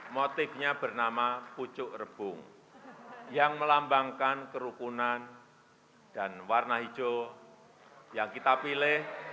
motifnya bernama pucuk rebung yang melambangkan kerukunan dan warna hijau yang kita pilih